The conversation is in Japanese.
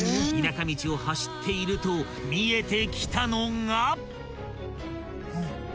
［田舎道を走っていると見えてきたのが］